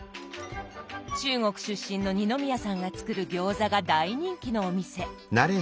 中国出身の二宮さんが作る餃子が大人気のお店。